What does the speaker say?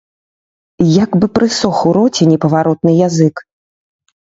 Як бы прысох у роце непаваротны язык.